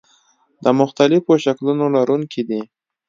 د مختلفو شکلونو لرونکي دي.